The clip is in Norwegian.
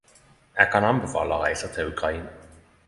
Eg kan anbefale reise te Ukraina.